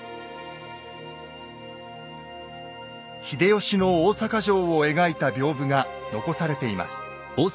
秀吉の大坂城を描いた屏風が残されています。